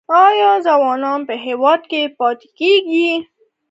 آیا ځوانان په هیواد کې پاتې کیږي؟